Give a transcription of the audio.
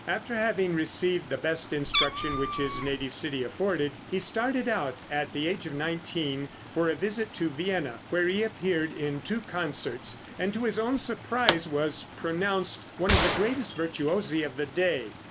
After having received the best instruction which his native city afforded, he started out, at the age of nineteen, for a visit to Vienna, where he appeared in two concerts, and to his own surprise was pronounced one of the greatest virtuosi of the day.